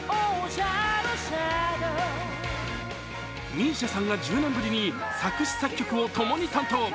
ＭＩＳＩＡさんが１０年ぶりに作詞・作曲をともに担当。